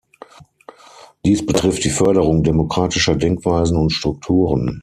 Dies betrifft die Förderung demokratischer Denkweisen und Strukturen.